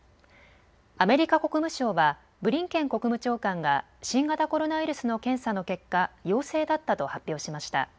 アメリカ国務省はブリンケン国務長官が新型コロナウイルスの検査の結果陽性だったと発表しました。